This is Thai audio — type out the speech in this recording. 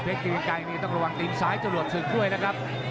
เพชรกิรินไกลนี่ต้องระวังติดซ้ายจะหลวดสึกด้วยนะครับ